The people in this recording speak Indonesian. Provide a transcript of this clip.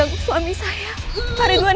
aku akan naik ke luar frank